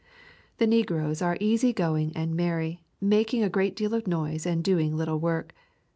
The negroes are easy going and merry, mak ing a great deal of noise and doing little work.